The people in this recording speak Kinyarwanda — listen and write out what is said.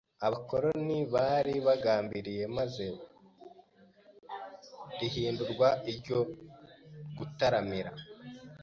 abakoloni bari babigambiriye, maze rihindurwa iryo gutaramira